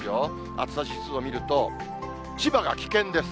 暑さ指数を見ると、千葉が危険です。